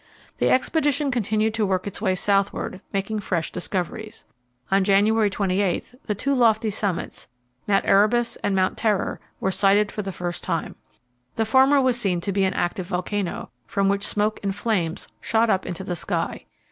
The expedition continued to work its way southward, making fresh discoveries. On January 28 the two lofty summits, Mount Erebus and Mount Terror, were sighted for the first time. The former was seen to be an active volcano, from which smoke and flames shot up into the sky.